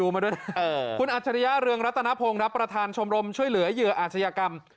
คุณอัจฉริยะเรืองรัตนพงศ์ครับประธานชมรมช่วยเหลือเหยื่ออาชญากรรม